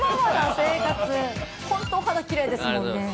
本当お肌きれいですもんね。